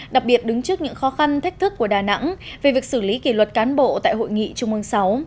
đặc biệt đứng trước những khó khăn thách thức của đà nẵng về việc xử lý kỷ luật cán bộ tại hội nghị trung ương sáu